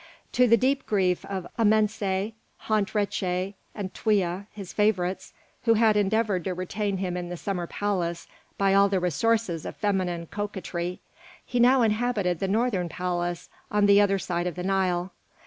To the deep grief of Amense, Hont Reché, and Twea, his favourites, who had endeavoured to retain him in the Summer Palace by all the resources of feminine coquetry, he now inhabited the Northern Palace on the other side of the Nile.